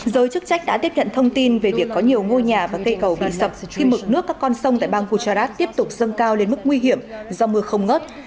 giới chức trách đã tiếp nhận thông tin về việc có nhiều ngôi nhà và cây cầu bị sập khi mực nước các con sông tại bang gujarat tiếp tục dâng cao lên mức nguy hiểm do mưa không ngớt